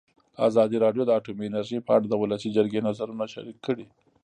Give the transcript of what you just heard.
ازادي راډیو د اټومي انرژي په اړه د ولسي جرګې نظرونه شریک کړي.